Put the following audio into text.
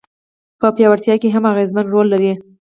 په پياوړتيا کي هم اغېزمن رول لري.